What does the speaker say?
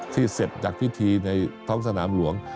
เสร็จจากพิธีในท้องสนามหลวง